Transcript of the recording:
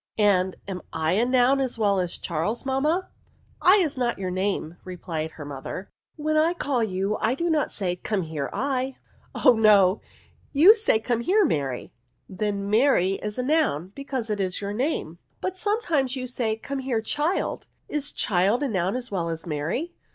*' And am / a noun as well as Charles, mamma ?/is not your name," replied her mother: when I call you, I do not say come here /."'* Oh no, you say come here, Mary." Then Mary is a noun, because it is your name." " But sometimes you say, * Come here, child ;' is child a noun as well as Mary